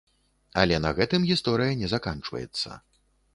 Але на гэтым гісторыя не заканчваецца.